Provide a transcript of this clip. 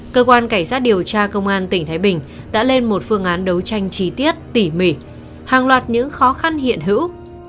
cơ quan cảnh sát điều tra công an tỉnh thái bình đã lên một phương án đấu tranh trí tiết tỉ mỉ hàng loạt những khó khăn hiện hữu